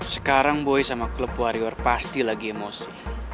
sekarang boy sama klub warrior pasti lagi emosi